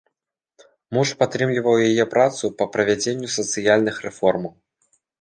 Муж падтрымліваў яе працу па правядзенню сацыяльных рэформаў.